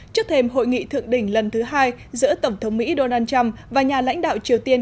trước thêm hội nghị thượng đỉnh lần thứ hai giữa tổng thống mỹ donald trump và nhà lãnh đạo triều tiên